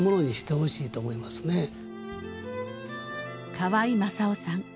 河合雅雄さん。